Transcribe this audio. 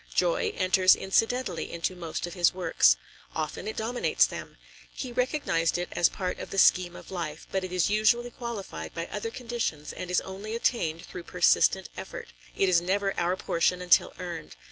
Joy enters incidentally into most of his works. Often it dominates them. He recognized it as part of the scheme of life, but it is usually qualified by other conditions and is only attained through persistent effort; it is never our portion until earned.